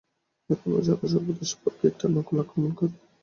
এখনও প্রায় সর্বদেশে বরকে একটা নকল আক্রমণ করে।